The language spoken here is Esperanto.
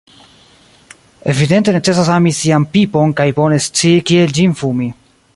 Evidente, necesas ami sian pipon kaj bone scii kiel ĝin fumi...